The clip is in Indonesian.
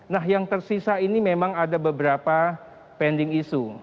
nah yang tersisa ini memang ada beberapa pending isu